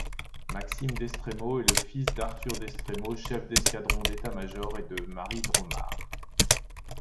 Maxime Destremau est le fils d'Arthur Destremau, chef d'escadron d'état-major, et de Marie Dromard.